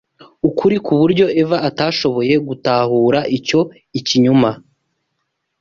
ukuri ku buryo Eva atashoboye gutahura icyo ikinyoma